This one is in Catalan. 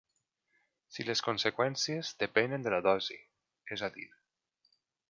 Si les conseqüències depenen de la dosi, és a dir.